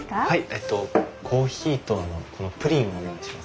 えっとコーヒーとこのプリンをお願いします。